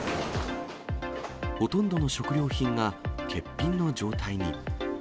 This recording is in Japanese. ほとんどの食料品が欠品の状